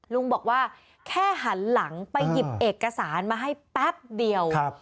ลุงบอกว่าแค่หันหลังไปหยิบเอกสารมาให้แป๊บเดียว